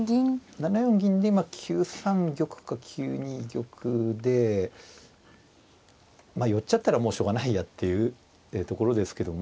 ７四銀で今９三玉か９二玉で寄っちゃったらもうしょうがないやっていうところですけども。